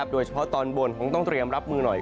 โดยเฉพาะตอนบนคงต้องเตรียมรับมือหน่อย